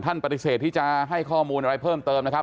ปฏิเสธที่จะให้ข้อมูลอะไรเพิ่มเติมนะครับ